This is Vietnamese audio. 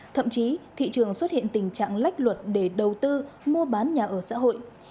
thậm chí thị trường xuất hiện tình trạng lách luật để đầu tư mua bán nhà ở xã hội